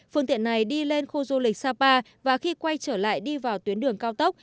phương tiện này đi lên khu du lịch sapa và khi quay trở lại đi vào tuyến đường cao tốc